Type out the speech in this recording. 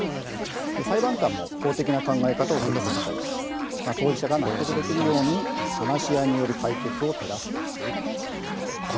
裁判官も法的な考え方を説明したりして当事者が納得できるように話し合いによる解決を手助けしていきます。